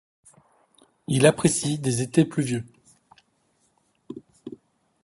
Il apprécie des étés pluvieux.